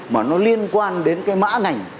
mà nó liên quan đến mã ngành